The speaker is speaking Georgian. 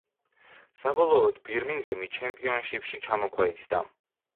საბოლოოდ „ბირმინგემი“ ჩემპიონშიფში ჩამოქვეითდა.